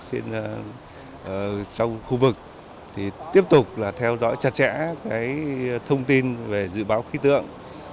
sau khu vực tiếp tục theo dõi chặt chẽ thông tin về dự báo khí tượng